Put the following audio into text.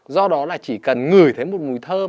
do đó là chỉ cần ngửi thấy một mùi thơm